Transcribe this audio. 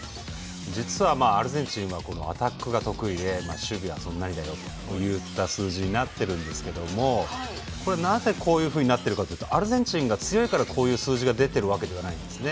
実はアルゼンチンはアタックが得意で守備がそんなにだよといった数字になってるんですけどなぜ、こういうふうになってるかというとアルゼンチンが強いからこういう数字が出ているわけではないんです。